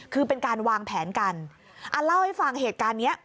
คือเป็นการวางแผนกันเล่าให้ฟังเหตุการณ์เนี้ย